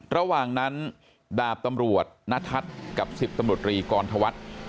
ระหว่างนั้นดาบตำรวจนทัศน์กับ๑๐ตำรวจรีกรธวัฒน์